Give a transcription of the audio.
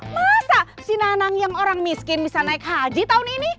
masa si nanang yang orang miskin bisa naik haji tahun ini